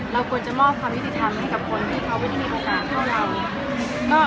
เราควรจะมอบความยุติธรรมให้กับคนที่เขาไม่ได้มีโอกาสเท่าเรา